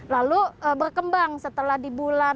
lalu berkembang setelah di bulan